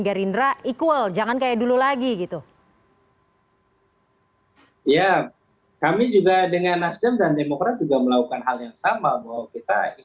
gerinda equal jangan kayak dulu lagi